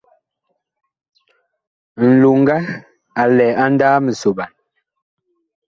Nloŋga a lɛ a ndaaa misoɓan.